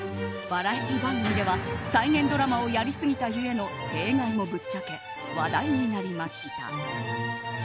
バラエティー番組では再現ドラマをやりすぎた故の弊害もぶっちゃけ話題になりました。